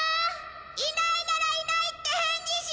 いないならいないって返事しろーっ！